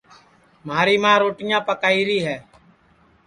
مھاری ماں روٹیاں پکائیری ہے